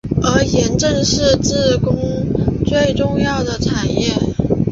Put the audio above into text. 而盐正是自贡最重要的产业。